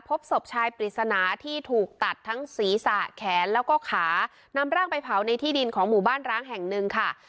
พบศพชายปริศนาที่ถูกตัดทั้งศีรษะแขนแล้วก็ขานำร่างไปเผาในที่ดินของหมู่บ้านร้างแห่งหนึ่งค่ะ